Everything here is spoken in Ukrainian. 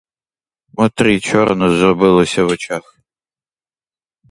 Мотрі чорно зробилося в очах.